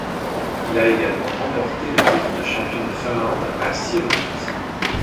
Il a également remporté le titre de champion de Finlande à six reprises.